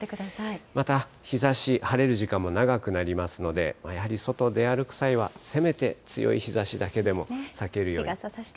また、日ざし、晴れる時間も長くなりますので、やはり外出歩く際は、せめて強い日ざしだけでも避けるように。